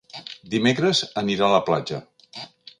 Dimecres anirà a la platja.